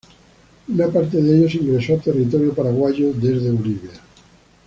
Una parte de ellos ingresó a territorio paraguayo desde Bolivia.